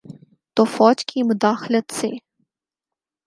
تو فوج کی مداخلت سے۔